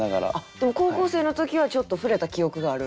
でも高校生の時はちょっと触れた記憶がある？